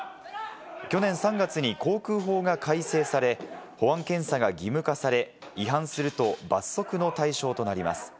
去年３月に航空法が改正され、保安検査が義務化され、違反すると罰則の対象となります。